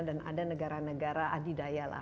ada negara negara adidaya lah